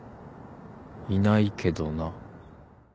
「いないけどな」